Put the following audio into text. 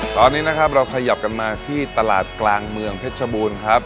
ตอนนี้นะครับเราขยับกันมาที่ตลาดกลางเมืองเพชรบูรณ์ครับ